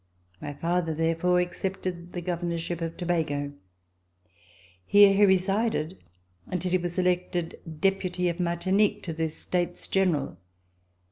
My father, therefore, accepted the governorship of Tabago, where he resided until he was elected Deputy of Martinique to the States General.